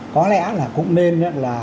có lẽ là cũng nên